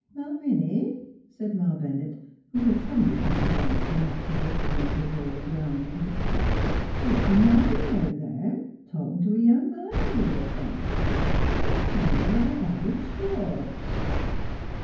" Malviny," said Ma Bennett, who had sud denly come to life in the act of rescuing her ball of yarn from the cat, " I see Mad'lane out there talkin' t' a young man over th' fence. ... Looks t' me like Harry Schwartz."